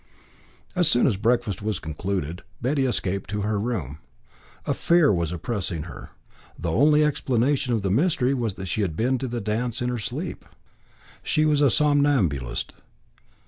As soon as breakfast was concluded, Betty escaped to her room. A fear was oppressing her. The only explanation of the mystery was that she had been to the dance in her sleep. She was a somnambulist.